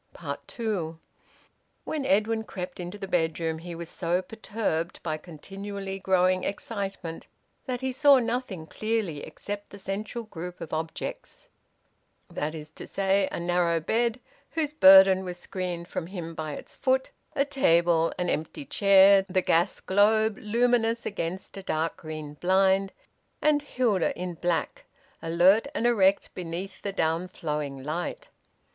TWO. When Edwin crept into the bedroom he was so perturbed by continually growing excitement that he saw nothing clearly except the central group of objects: that is to say, a narrow bed, whose burden was screened from him by its foot, a table, an empty chair, the gas globe luminous against a dark green blind, and Hilda in black, alert and erect beneath the down flowing light.